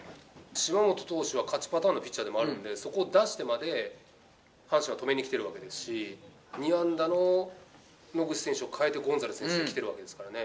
島本投手は勝ちパターンのピッチャーでもあるんで、そこを出してまで、阪神は止めにきてるわけですし、２安打の野口選手を代えて、ゴンザレス選手をきてるわけですからね。